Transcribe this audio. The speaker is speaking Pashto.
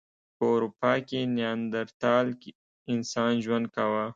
په اروپا کې نیاندرتال انسان ژوند کاوه.